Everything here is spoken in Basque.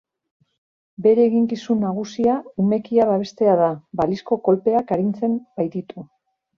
Bere eginkizun nagusia umekia babestea da, balizko kolpeak arintzen baititu.